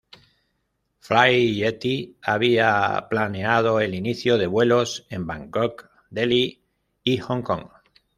Fly Yeti había planeado el inicio de vuelos en Bangkok, Delhi y Hong Kong.